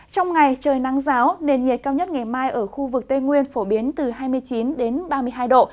trong ngày trời nắng giáo nền nhiệt cao nhất ngày mai ở khu vực tây nguyên phổ biến từ hai mươi chín ba mươi hai độ